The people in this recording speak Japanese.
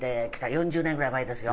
４０年ぐらい前ですよ。